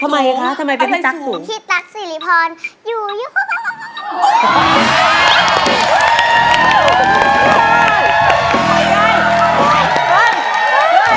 ไม่ไล่สูงคันมือได้พี่ตรักสิริพรอยู่ล่ะ